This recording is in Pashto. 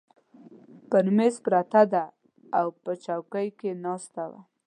پر مېز پرته ده، او په چوکۍ کې ناسته وه.